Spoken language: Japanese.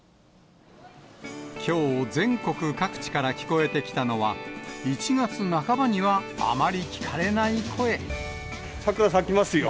きょう全国各地から聞こえてきたのは、桜咲きますよ。